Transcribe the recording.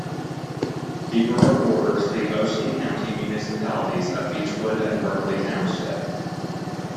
The borough borders the Ocean County municipalities of Beachwood and Berkeley Township.